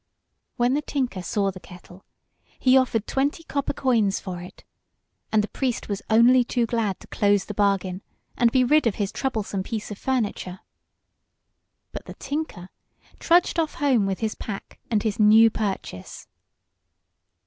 When the tinker saw the kettle, he offered twenty copper coins for it, and the priest was only too glad to close the bargain and be rid of his troublesome piece of furniture. But the tinker trudged off home with his pack and his new purchase.